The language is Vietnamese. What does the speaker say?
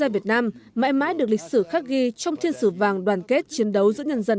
việt nam mãi mãi được lịch sử khắc ghi trong thiên sử vàng đoàn kết chiến đấu giữa nhân dân